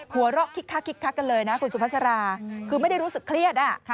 หัวเราะคิกคักกันเลยนะคุณสุพัชราคือไม่ได้รู้สึกเครียดอ่ะ